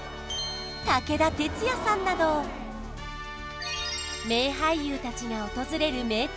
武田鉄矢さんなど名俳優たちが訪れる名店